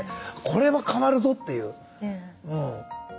これは変わるぞっていう。